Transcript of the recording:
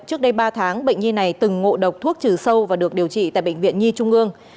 trước đây ba tháng bệnh nhi này từng ngộ độc thuốc trừ sâu và được điều trị tại bệnh viện nhi trung ương